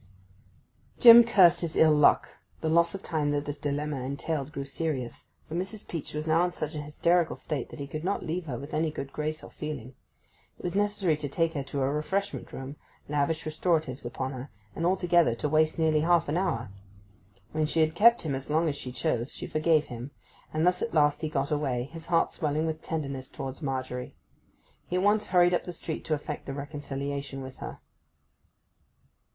Jim cursed his ill luck; the loss of time that this dilemma entailed grew serious; for Mrs. Peach was now in such a hysterical state that he could not leave her with any good grace or feeling. It was necessary to take her to a refreshment room, lavish restoratives upon her, and altogether to waste nearly half an hour. When she had kept him as long as she chose, she forgave him; and thus at last he got away, his heart swelling with tenderness towards Margery. He at once hurried up the street to effect the reconciliation with her.